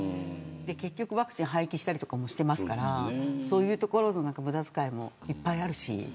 結局ワクチン廃棄したりとかもしてますからそういうところの無駄遣いもいっぱいあるし。